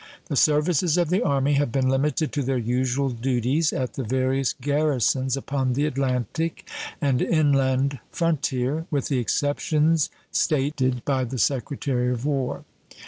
The services of the Army have been limited to their usual duties at the various garrisons upon the Atlantic and in land frontier, with the exceptions states by the Secretary of War.